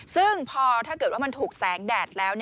ซึ่งพอถ้าเกิดว่ามันถูกแสงแดดแล้ว